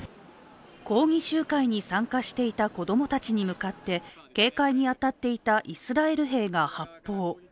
抗議集会に参加していた子供たちに向かって警戒に当たっていたイスラエル兵が発砲。